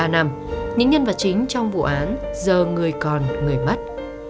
một mươi ba năm những nhân vật chính trong vụ án giờ người còn người mất